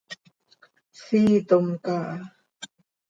Siitom caha.